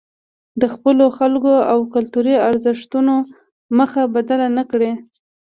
د خپلو خلکو او کلتوري ارزښتونو مخه بدله نکړي.